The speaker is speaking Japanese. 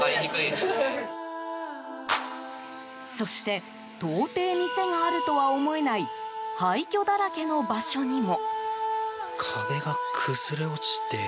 そして、到底店があるとは思えない廃虚だらけの場所にも。